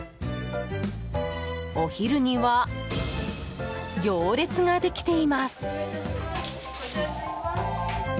お昼には、行列ができています。